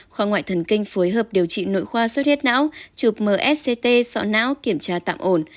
khoa ngoại thần kinh phối hợp điều trị nội khoa sốt huyết não chụp msct sọ não kiểm tra tạm ổn